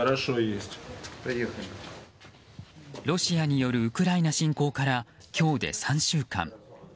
ロシアによるウクライナ侵攻から今日で３週間。